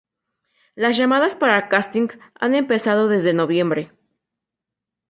Las llamadas para casting han empezado desde noviembre.